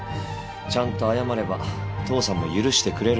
ちゃんと謝れば父さんも許してくれる。